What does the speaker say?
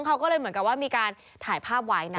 เขาก็เลยเหมือนกับว่ามีการถ่ายภาพไว้นะ